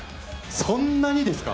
そんなにですか？